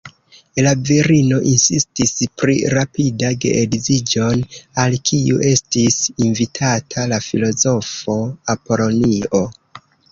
La virino insistis pri rapida geedziĝon, al kiu estis invitata la filozofo Apolonio.